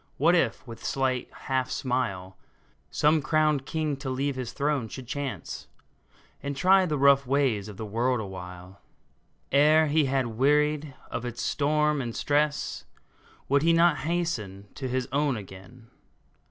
What if, with slight half smile, Some crowned king to leave his throne should chance, And try the rough ways of the world awhile ? Ere he had wearied of its storm and stress, Would he not hasten to his own again